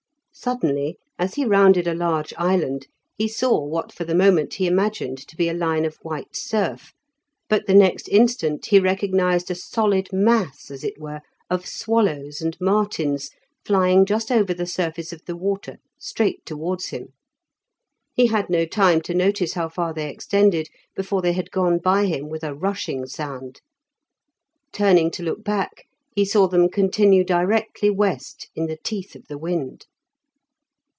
Suddenly as he rounded a large island he saw what for the moment he imagined to be a line of white surf, but the next instant he recognised a solid mass, as it were, of swallows and martins flying just over the surface of the water straight towards him. He had no time to notice how far they extended before they had gone by him with a rushing sound. Turning to look back, he saw them continue directly west in the teeth of the wind.